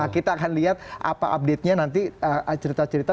kita akan lihat apa update nya nanti cerita cerita